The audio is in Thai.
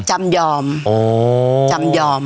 จำยอมจำยอม